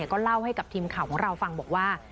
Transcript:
ก็เล่าให้กับทีมข่าวของเราฟังบอกว่า